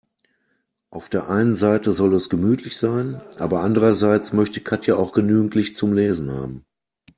Auf der einen Seite soll es gemütlich sein, aber andererseits möchte Katja auch genügend Licht zum Lesen haben.